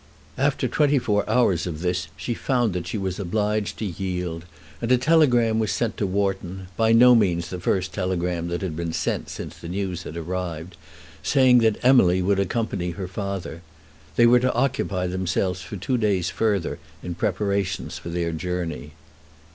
After twenty four hours of this she found that she was obliged to yield, and a telegram was sent to Wharton, by no means the first telegram that had been sent since the news had arrived, saying that Emily would accompany her father. They were to occupy themselves for two days further in preparations for their journey.